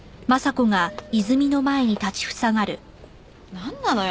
なんなのよ？